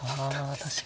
あ確かに。